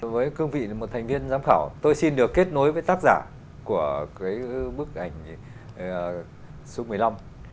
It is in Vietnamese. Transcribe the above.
với cương vị là một thành viên giám khảo tôi xin được kết nối với tác giả của bức ảnh số một mươi năm